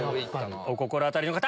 お心当たりの方！